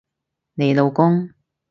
你老公？